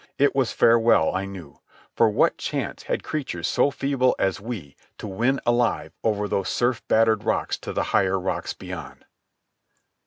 It was farewell, I knew; for what chance had creatures so feeble as we to win alive over those surf battered rocks to the higher rocks beyond?